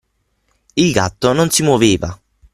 Il gatto non si muoveva.